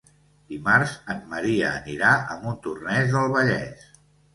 Dimarts en Maria anirà a Montornès del Vallès.